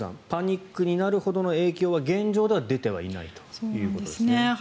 パニックになるほどの影響は現状では出てはいないということですね。